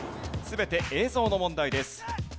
全て映像の問題です。